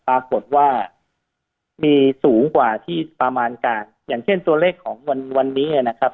ปรากฏว่ามีสูงกว่าที่ประมาณการอย่างเช่นตัวเลขของวันวันนี้นะครับ